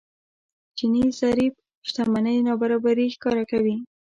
جيني ضريب شتمنۍ نابرابري ښکاره کوي.